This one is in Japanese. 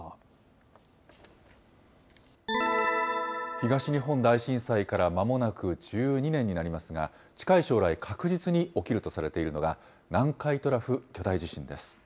東日本大震災からまもなく１２年になりますが、近い将来、確実に起きるとされているのが南海トラフ巨大地震です。